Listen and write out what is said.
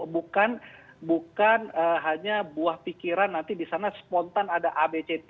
bukan hanya buah pikiran nanti di sana spontan ada abct